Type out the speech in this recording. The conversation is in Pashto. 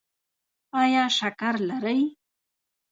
ایا شکر لرئ؟